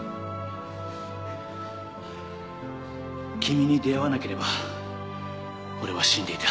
君に出会わなければ俺は死んでいた